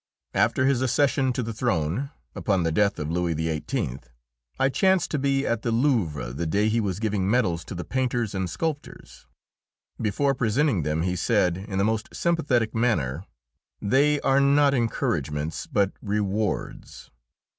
After his accession to the throne upon the death of Louis XVIII. I chanced to be at the Louvre the day he was giving medals to the painters and sculptors. Before presenting them he said, in the most sympathetic manner, "They are not encouragements, but rewards."